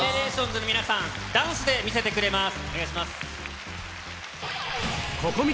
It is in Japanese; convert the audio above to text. ＧＥＮＥＲＡＴＩＯＮＳの皆さん、ダンスで見せてくれます。